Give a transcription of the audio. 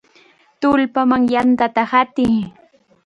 ¡Tullpaman yantata hatiy!